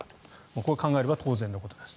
こう考えるのは当然のことです。